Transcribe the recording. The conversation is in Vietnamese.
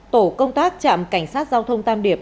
tổ công tác trạm cảnh sát giao thông tam điệp